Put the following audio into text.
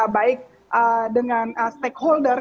baik dengan stakeholder